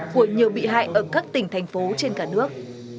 của nhiều bị hại ở các tỉnh thành phố trên cả nước